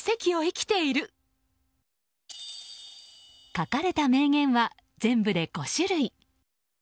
書かれた名言は全部で５種類。